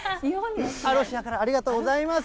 ロシアから、ありがとうございます。